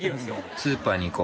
スーパーに行こう。